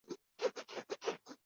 首府阿马拉。